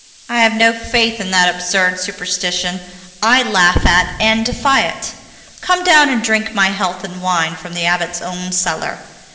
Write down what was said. I have no faith in that absurd superstition I laugh at and defy it. Come down and drink my health in wine from the Abbot's own cellar."